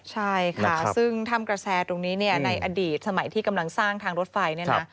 ใช่ค่ะซึ่งถ้ำกระแสตรงนี้เนี่ยในอดีตสมัยที่กำลังสร้างทางรถไฟเนี่ยนะ